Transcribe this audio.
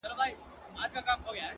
بغاوت دی سرکښي ده؛ زندگي د مستۍ نوم دی